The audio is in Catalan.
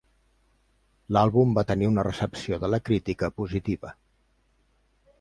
L'àlbum va tenir una recepció de la crítica positiva.